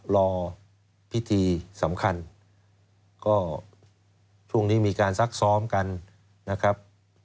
รอพิธีสำคัญก็ช่วงนี้มีการซักซ้อมกันนะครับ